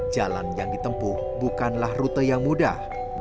jalan yang ditempuh bukanlah rute yang mudah